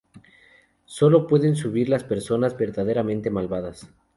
Sólo pueden subir las personas verdaderamente malvadas.